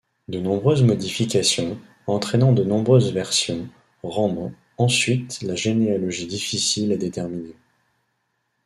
De nombreuses modifications, entraînant de nombreuses versions, rendent ensuite la généalogie difficile à déterminer.